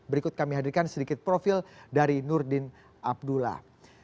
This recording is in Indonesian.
berikut kami hadirkan sedikit profil dari nurdin abdullah